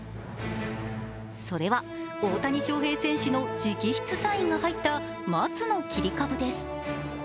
それは大谷翔平選手の直筆サインが入った松の切り株です。